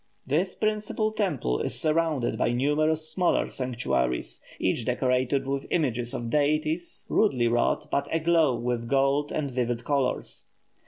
This principal temple is surrounded by numerous smaller sanctuaries, each decorated with images of deities, rudely wrought, but a glow with gold and vivid colours.